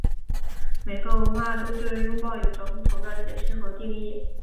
每个文化都对拥抱有着不同的解释和定义。